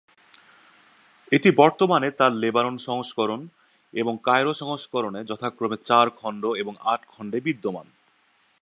এটি বর্তমানে তার লেবানন সংস্করণ এবং কায়রো সংস্করণে যথাক্রমে চার খণ্ড এবং আট খণ্ডে বিদ্যমান।